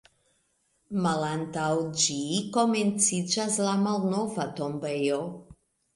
Malantaŭ ĝi komenciĝas la Malnova tombejo.